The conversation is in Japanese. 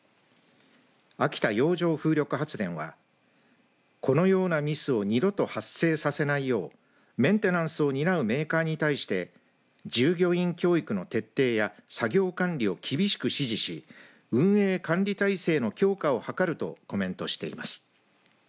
秋田洋上風力発電はこのようなミスを二度と発生させないようメンテナンスを担うメーカーに対して従業員教育の徹底や作業管理を厳しく指示し運営管理体制の強化を図るとコメントしています。